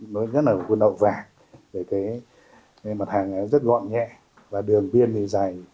nói nhất là buôn lậu vàng mặt hàng rất gọn nhẹ và đường biên dài